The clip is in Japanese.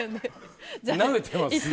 なめてますね？